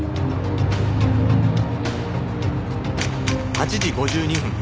８時５２分